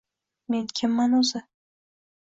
Men kimman o‘zi?